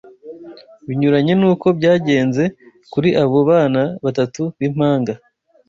binyuranye n’uko byagenze kuri abo bana batatu b’impanga